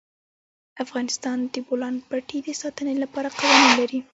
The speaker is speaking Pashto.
افغانستان د د بولان پټي د ساتنې لپاره قوانین لري.